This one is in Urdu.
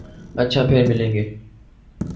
اچھا پھر ملیں گے۔